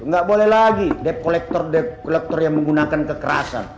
nggak boleh lagi debt collector debt collector yang menggunakan kekerasan